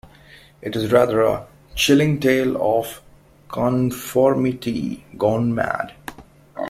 It is, rather, a chilling tale of conformity gone mad.